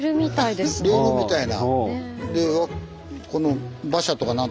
レールみたいな。